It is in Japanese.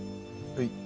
はい。